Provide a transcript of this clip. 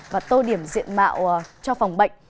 và tô điểm diện mạo cho phòng bệnh